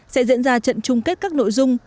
sẽ diễn ra trận chung kết các nội dung